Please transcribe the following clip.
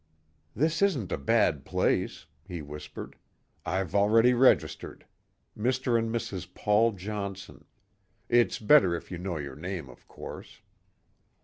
"This isn't a bad place," he whispered. "I've already registered. Mr. and Mrs. Paul Johnson. It's better if you know your name, of course."